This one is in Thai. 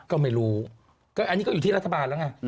ก็ไม่รู้อันนี้ก็อยู่ที่รัฐบาลแล้วไง